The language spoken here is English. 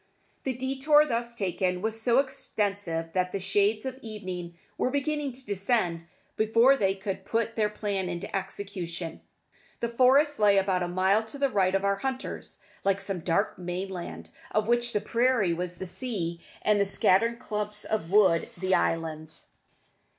The detour thus taken was so extensive that the shades of evening were beginning to descend before they could put their plan into execution. The forest lay about a mile to the right of our hunters, like some dark mainland, of which the prairie was the sea and the scattered clumps of wood the islands.